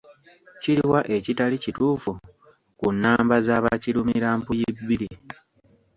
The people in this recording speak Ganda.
Kiriwa ekitali kituufu ku nnamba z'abakirumirampuyibbiri.